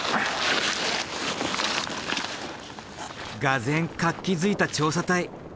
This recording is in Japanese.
がぜん活気づいた調査隊。